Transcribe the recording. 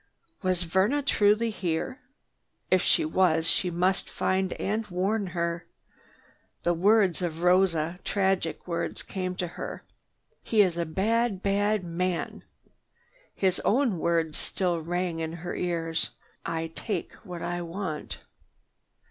Was Verna truly here? If she was, she must find and warn her. The words of Rosa, tragic words, came to her: "He is a bad, bad man!" His own words still rang in her ears: "I take what I want."